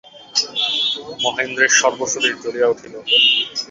মহেন্দ্রের সর্বশরীর জ্বলিয়া উঠিল।